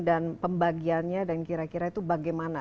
dan pembagiannya dan kira kira itu bagaimana